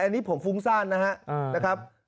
อันนี้ผมฟุ้งซ่านนะครับ